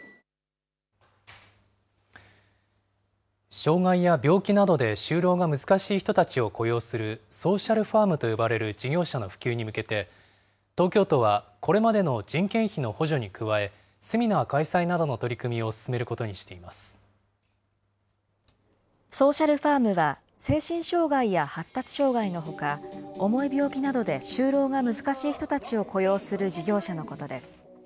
障害や病気などで就労が難しい人たちを雇用する、ソーシャルファームと呼ばれる事業者の普及に向けて、東京都はこれまでの人件費の補助に加え、セミナー開催などの取りソーシャルファームは、精神障害や発達障害のほか、重い病気などで就労が難しい人たちを雇用する事業者のことです。